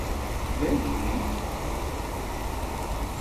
Dayi?